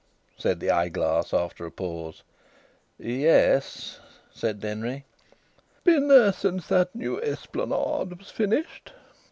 said the eyeglass after a pause. "Ye es," said Denry. "Been there since that new esplanade was finished?"